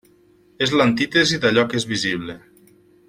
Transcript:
És l'antítesi d'allò que és visible.